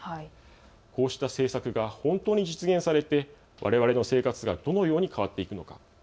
こうした政策が本当に実現されてわれわれの生活がどのように変わっていくのか。